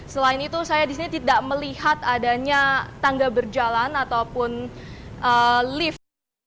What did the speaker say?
selain itu saya di sini tidak melihat adanya tangga berjalan ataupun lift